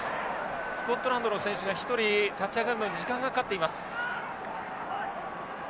スコットランドの選手が１人立ち上がるのに時間がかかっています。